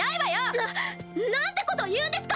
ななんてこと言うんですか！